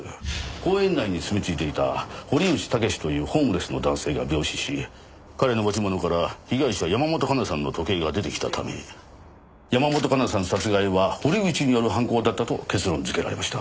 公園内に住みついていた堀内猛というホームレスの男性が病死し彼の持ち物から被害者山本香奈さんの時計が出てきたため山本香奈さん殺害は堀内による犯行だったと結論づけられました。